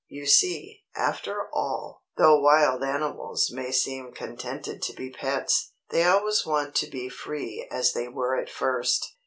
You see, after all, though wild animals may seem contented to be pets, they always want to be free as they were at first.